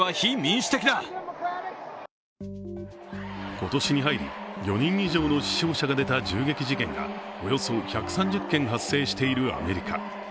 今年に入り、４人以上の死傷者が出た銃撃事件がおよそ１３０件発生しているアメリカ。